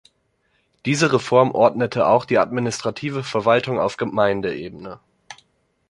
Diese Reform ordnete auch die Administrative Verwaltung auf Gemeindeebene.